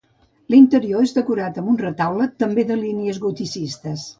L'interior és decorat amb un retaule, també de línies goticistes.